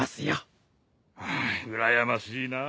うらやましいなぁ。